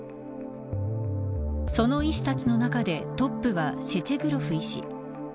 その医師たちの中でトップはシチェグロフ医師。